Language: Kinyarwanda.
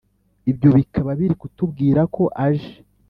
Ibyo bikaba biri kutubwira ko aje